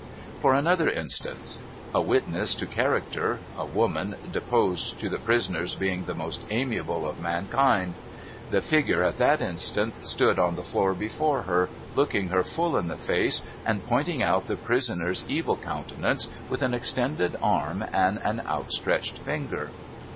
For another instance : a witness to character, a woman, deposed to the prisoner's being the most amiable of mankind. The figure at that instant stood on the floor before her, looking her full in the face, and pointing out the prisoner's evil countenance with an extended arm and an outstretched finger.